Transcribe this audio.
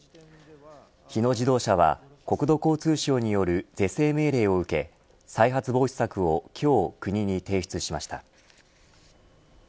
日野自動車は国土交通省による是正命令を受け再発防止策を今日、国に提出しました。